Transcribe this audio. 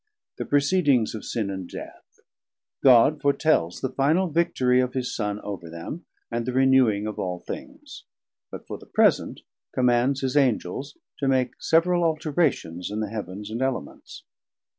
The proceedings of Sin and Death; God foretels the final Victory of his Son over them, and the renewing of all things; but for the present commands his Angels to make several alterations in the Heavens and Elements.